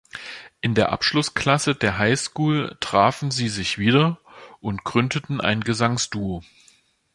In der Abschlussklasse der High School trafen sie sich wieder und gründeten ein Gesangsduo.